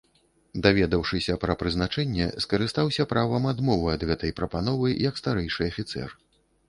Даведаўшыся пра прызначэнне, скарыстаўся правам адмовы ад гэтай прапановы як старэйшы афіцэр.